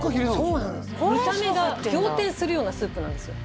そうなんです見た目が仰天するようなスープなんですよ